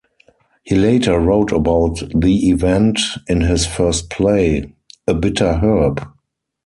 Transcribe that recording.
He later wrote about the event in his first play, "A Bitter Herb".